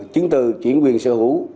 chứng từ chuyển quyền sở hữu